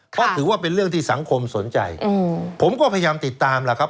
เพราะถือว่าเป็นเรื่องที่สังคมสนใจผมก็พยายามติดตามล่ะครับ